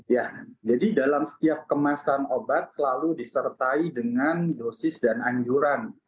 ya jadi dalam setiap kemasan obat selalu disertai dengan dosis dan anjuran